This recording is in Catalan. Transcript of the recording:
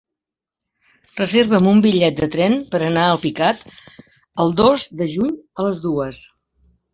Reserva'm un bitllet de tren per anar a Alpicat el dos de juny a les dues.